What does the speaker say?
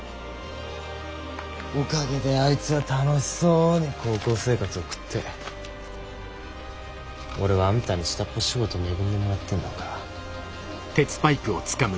おかげであいつは楽しそうに高校生活送って俺はあんたに下っ端仕事恵んでもらってんのか。